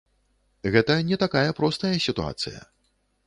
Гэта не такая простая сітуацыя.